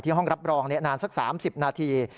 ที่ห้องรับรองนี้นานสัก๓๐นาที